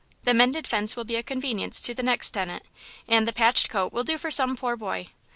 The mended fence will be a convenience to the next tenant, and the patched coat will do for some poor boy.